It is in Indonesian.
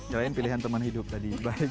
selain pilihan teman hidup tadi